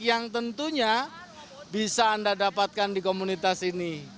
yang tentunya bisa anda dapatkan di komunitas ini